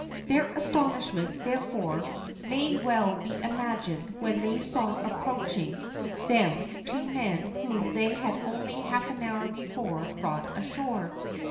Their astonishment, therefore, may well be imagined when they saw approaching them the two men whom they had only half an hour before brought ashore.